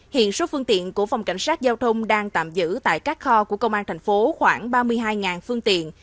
hiện số phương tiện của phòng cảnh sát giao thông đang tạm giữ tại các kho của công an thành phố khoảng ba mươi hai phương tiện